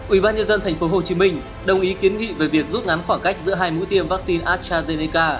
ủy ban nhân dân tp hcm đồng ý kiến nghị về việc rút ngắn khoảng cách giữa hai mũi tiêm vaccine astrazeneca